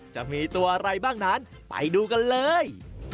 จะมีตัวอะไรบ้างนั้นไปดูกันเลย